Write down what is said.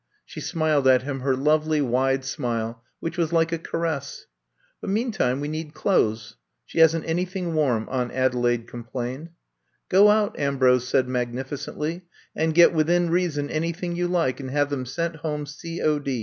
She smiled at him her lovely wide smile which was like a caress. But meantime we need clothes. She hasn't anything warm," Amit Adelaide complained. Go out," Ambrose said magnificently, ^*and get within reason anything you like, and have them sent home C. 0.